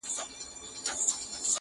زما او جانان د زندګۍ خبره ورانه سوله-